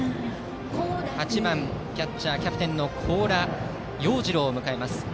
８番キャッチャー、キャプテンの高良鷹二郎を迎えます。